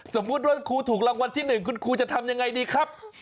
สมมุติว่าครูถูกรางวัลที่๑คุณครูจะทำยังไงดีครับ